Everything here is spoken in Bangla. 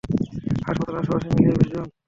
হাসপাতালের আশেপাশের মিলিয়ে বিশজন।